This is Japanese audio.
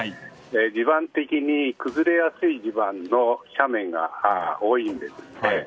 地盤的に崩れやすい地盤の斜面が多いんですね。